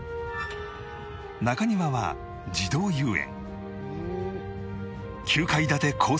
中庭は児童遊園